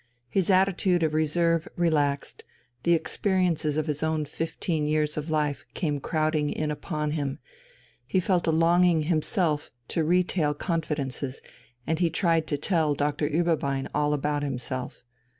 His attitude of reserve relaxed, the experiences of his own fifteen years of life came crowding in upon him, he felt a longing himself to retail confidences, and he tried to tell Doctor Ueberbein all about himself.